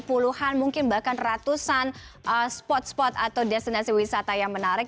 puluhan mungkin bahkan ratusan spot spot atau destinasi wisata yang menarik